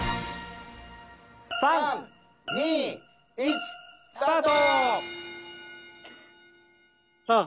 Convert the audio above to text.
３２１スタート！